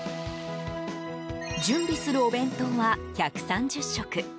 準備するお弁当は１３０食。